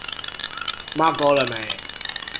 罵夠了沒？